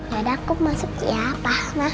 ya udah aku masuk ya pa